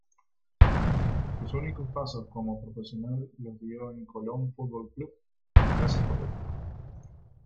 Sus únicos pasos como profesional los dio en Colón Fútbol Club y Plaza Colonia.